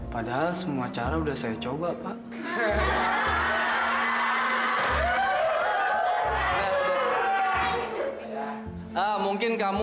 padahal semua cara sudah saya coba pak